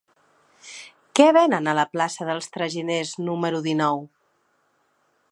Què venen a la plaça dels Traginers número dinou?